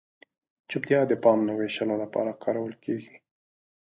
چپتیا د پام نه وېشلو لپاره کارول کیږي.